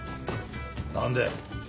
何で？